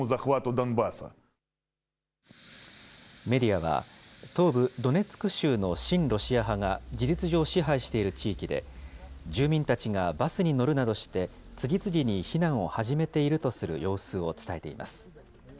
メディアは、東部ドネツク州の親ロシア派が事実上支配している地域で、住民たちがバスに乗るなどして、次々に避難を始めているとする様子を伝えています。